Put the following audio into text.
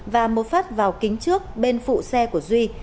và một phát vào kính trước bên phụ xe của duy